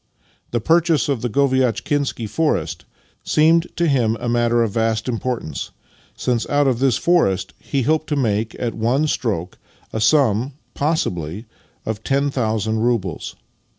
The purchase of the Goviatchkinsky forest seemed to him a matter of vast importance, since out of this forest he hoped to make, at one stroke, a sum, possibly, of ten thousand roubles.